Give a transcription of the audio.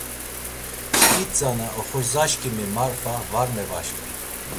Şǩi tzana oxorzaşǩimi Marfa var mevaşǩvi.